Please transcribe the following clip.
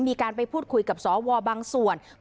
มีการไปพูดคุยกับสวบางส่วน